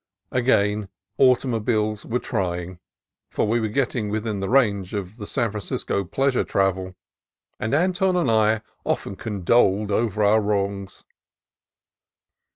Again automobiles were trying (for we were getting within range of the San Fran cisco pleasure travel), and Anton and I often con doled over our wrongs.